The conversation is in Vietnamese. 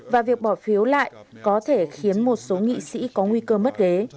và việc bỏ phiếu lại có thể khiến một số nghị sĩ có nguy cơ mất ghế